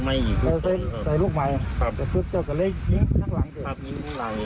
เรายังพูดอะไรกันไหมพี่